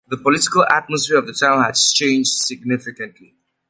The political atmosphere of the town has changed significantly.